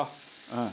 うん。